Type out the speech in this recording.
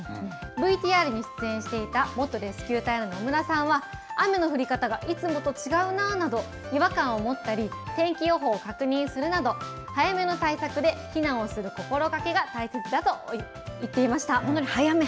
ＶＴＲに出演していた元レスキュー隊の野村さんは、雨の降り方がいつもと違うなぁなど、違和感を持ったり、天気予報を確認するなど、早めの対策で避難をする心がけが大切だと言っていました。